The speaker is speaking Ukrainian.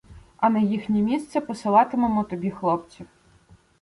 А на їхнє місце посилатимемо тобі хлопців.